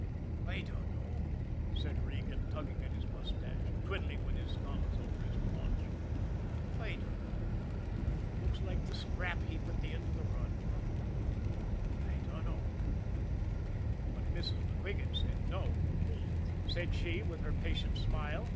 "I dunno," said Regan, tugging at his mustache, twiddling with his thumbs over his paunch, "I dunno looks like the scrap heap at the end of the run h'm? I dunno." But Mrs. MacQuigan said no. "Wait," said she, with her patient smile.